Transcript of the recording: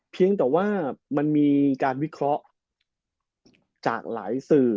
เพียงแต่ว่ามันมีการวิเคราะห์จากหลายสื่อ